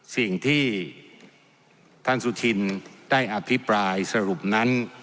สิ่งที่ท่านสุธินได้อภิปรายสรุปนั้น